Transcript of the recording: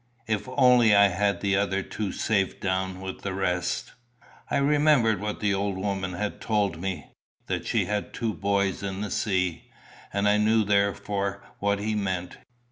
If only I had the other two safe down with the rest!" I remembered what the old woman had told me that she had two boys in the sea; and I knew therefore what he meant.